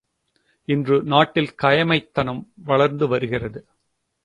இன்று நாட்டில் கயமைத் தனம் வளர்ந்து வருகிறது.